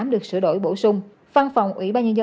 được sửa đổi bổ sung